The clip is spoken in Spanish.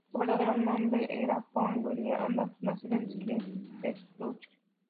Su verdadero nombre era John William Adams, nació en Springfield, Kentucky.